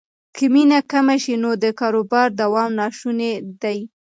که مینه کمه شي نو د کاروبار دوام ناشونی دی.